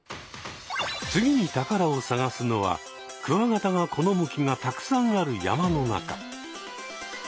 次に宝を探すのはクワガタが好む木がたくさんある山の中。